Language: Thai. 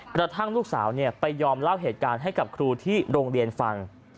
กระทั่งลูกสาวไปยอมเล่าเหตุการณ์ให้กับครูที่โรงเรียนฟัง